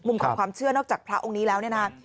มุมของความเชื่อนอกจากพระองค์นี้แล้ว